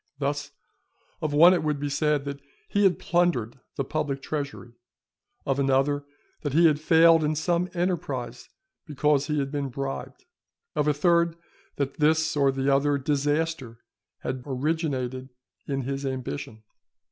Thus, of one it would be said that he had plundered the public treasury, of another, that he had failed in some enterprise because he had been bribed; of a third, that this or the other disaster had originated in his ambition.